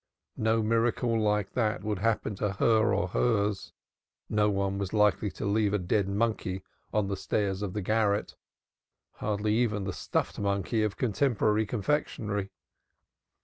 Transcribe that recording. No miracle like that would happen to her or hers, nobody was likely to leave a dead monkey on the stairs of the garret hardly even the "stuffed monkey" of contemporary confectionery.